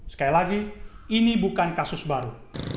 sekali lagi ini bukan kasus baru